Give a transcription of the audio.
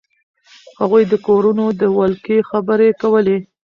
هغوی د کورونو د ولکې خبرې کولې.